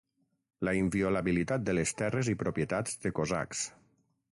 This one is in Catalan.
La inviolabilitat de les terres i propietats de cosacs.